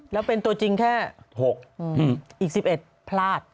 แล้วเป็นตัวจริงแค่๖อีก๑๑พลาด